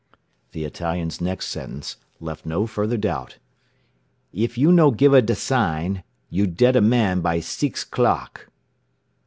The Italian's next sentence left no further doubt. "If you no giva da sign, you deada man by seex clock."